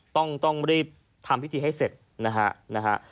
ต้องรีบทำพิธีให้เสร็จนะฮะนะฮะ